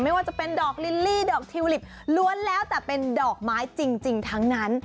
ไม่ว่าจะเป็นดอกลิลลี่ดอกทิวลิปล้วนแล้วแต่เป็นดอกไม้จริงทั้งนั้น